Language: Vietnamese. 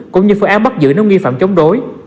cũng như phương án bắt giữ nếu nghi phạm chống đối